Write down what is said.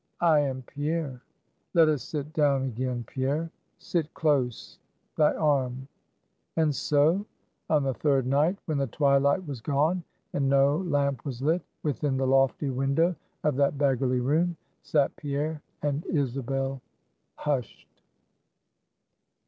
"I am Pierre." "Let us sit down again, Pierre; sit close; thy arm!" And so, on the third night, when the twilight was gone, and no lamp was lit, within the lofty window of that beggarly room, sat Pierre and Isabel hushed.